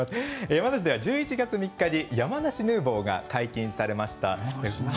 山梨では１１月３日に山梨ヌーボーが解禁されました。